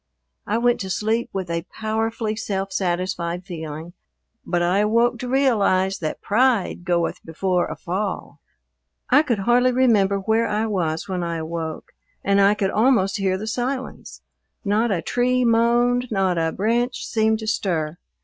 I went to sleep with a powerfully self satisfied feeling, but I awoke to realize that pride goeth before a fall. I could hardly remember where I was when I awoke, and I could almost hear the silence. Not a tree moaned, not a branch seemed to stir.